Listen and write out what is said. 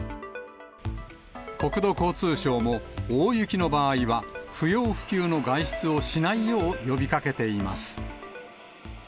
国土交通省も、大雪の場合は不要不急の外出をしないよう呼びかけています。